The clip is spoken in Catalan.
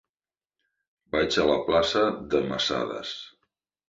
Vaig a la plaça de Masadas.